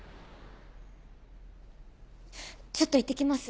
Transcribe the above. ちょっと行ってきます。